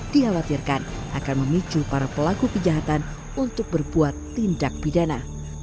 dikhawatirkan akan memicu para pelaku kejahatan untuk berbuat tindak pidana